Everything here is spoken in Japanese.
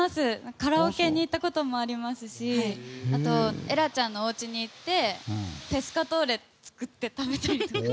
カラオケに行ったこともありますしあと、エラちゃんのおうちに行ってペスカトーレ作って食べたりとか。